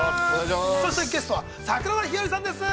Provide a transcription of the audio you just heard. そしてゲストは桜田ひよりさんです！